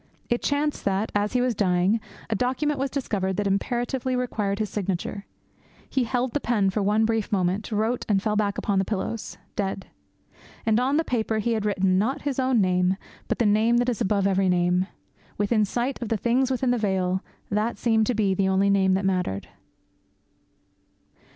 It chanced that, as he was dying, a document was discovered that imperatively required his signature. He held the pen for one brief moment, wrote, and fell back upon the pillows, dead. And on the paper he had written, not his own name, but the Name that is above every name. Within sight of the things within the veil, that seemed to be the only name that mattered.